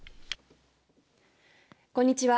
こんにちは